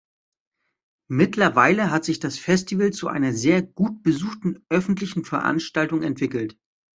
Mittlerweile hat sich das Festival zu einer sehr gut besuchten öffentlichen Veranstaltung entwickelt.